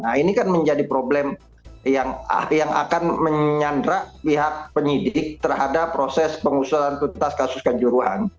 nah ini kan menjadi problem yang akan menyandra pihak penyidik terhadap proses pengusulan tuntas kasus kanjuruhan